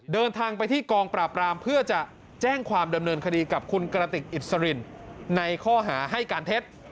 เดินทางไปที่กองปราบรามเพื่อจะแจ้งความดำเนินคดีกับคุณกระติกอิสรินในข้อหาให้การเท็จ